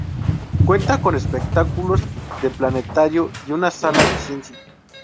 Cuenta con espectáculos de planetario y una sala de ciencia.